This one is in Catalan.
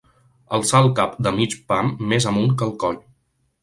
Alçar el cap de mig pam més amunt que el coll.